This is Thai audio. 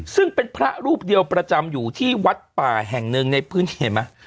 ซึ่งเป็นพระรูปเดียวประจำอยู่ที่วัดป่าแห่งหนึ่งในพื้นที่เห็นไหม